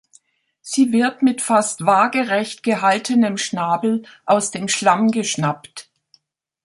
Sie wird mit fast waagerecht gehaltenem Schnabel aus dem Schlamm geschnappt.